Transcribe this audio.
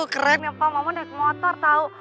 keren ya pak mama naik motor tau